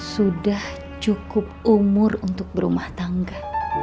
sudah cukup umur untuk berumah tangga